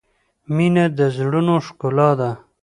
• مینه د زړونو ښکلا ده.